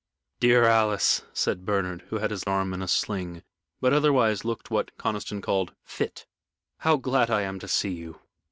"Dear Alice," said Bernard, who had his arm in a sling, but otherwise looked what Conniston called "fit!", "how glad I am to see you!"